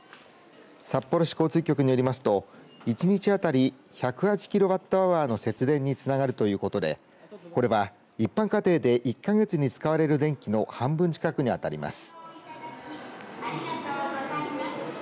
札幌市交通局によりますと１日当たり１０８キロワットアワーの節電につながるということでこれは一般家庭で１か月に使われる電気の半分近くに当たります。